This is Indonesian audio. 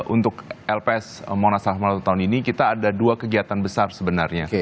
untuk lps monas armada tahun ini kita ada dua kegiatan besar sebenarnya